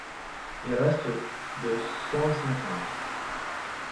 Il reste de cent cinquante.